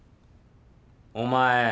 お前。